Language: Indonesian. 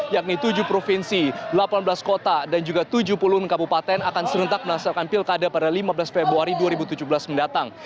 yakni tujuh provinsi delapan belas kota dan juga tujuh puluh kabupaten akan serentak melaksanakan pilkada pada lima belas februari dua ribu tujuh belas mendatang